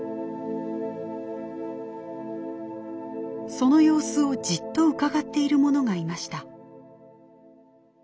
その様子をじっとうかがっているものがいました。